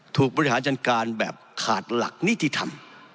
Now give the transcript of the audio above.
ถูกบริหารจัดการแบบขาดหลักนิติธรรม